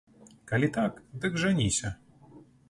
Калі так, дык жаніся.